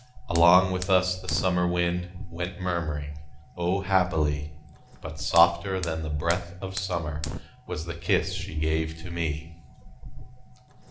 Along with us the summer wind Went murmuring O, happily! But softer than the breath of summer Was the kiss she gave to me.